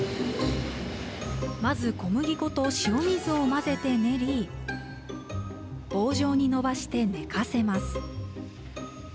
まず小麦粉と塩水を混ぜて練り、棒状に延ばして寝かせます。